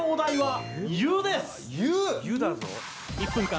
１分間